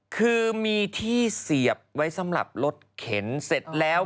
คือมีที่เสียบไว้สำหรับรถเข็นเสร็จแล้ว